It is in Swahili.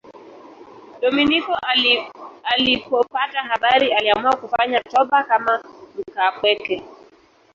Dominiko alipopata habari aliamua kufanya toba kama mkaapweke.